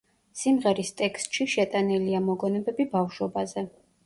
სიმღერის ტექსტში შეტანილია მოგონებები ბავშვობაზე.